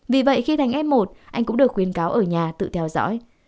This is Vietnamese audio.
vì vậy khi thành ép một anh cũng được khuyên cáo ở nhà tự theo dõi